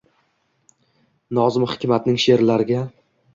Nozim Hikmatning she’rlariga